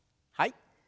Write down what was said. はい。